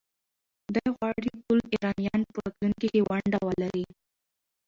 ده غواړي ټول ایرانیان په راتلونکي کې ونډه ولري.